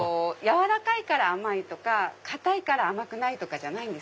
柔らかいから甘いとか硬いから甘くないとかじゃない。